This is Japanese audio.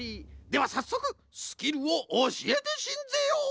ではさっそくスキルをおしえてしんぜよう！